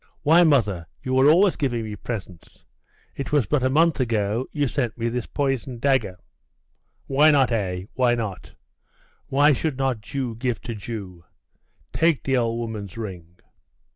'Why, mother, you are always giving me presents. It was but a month ago you sent me this poisoned dagger.' 'Why not, eh? why not? Why should not Jew give to Jew? Take the old woman's ring!